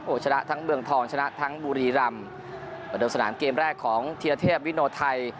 โอ้ชนะทั้งเมืองทองชนะทั้งบุรีรัมศ์ประดับสนานเกมแรกของเทียเทพวิโนไทย